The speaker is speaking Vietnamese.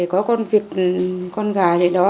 có con vịt con gà vậy đó